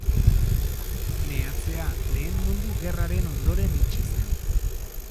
Meatzea Lehen Mundu Gerraren ondoren itxi zen.